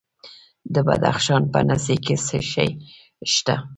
د بدخشان په نسي کې څه شی شته؟